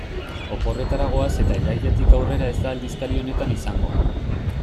Oporretara goaz eta irailetik aurrera ez da aldizkari honetan izango.